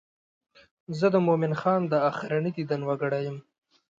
زه د مومن خان دا آخرنی دیدن وکړم.